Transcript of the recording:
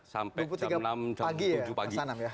sampai jam enam sampai tujuh pagi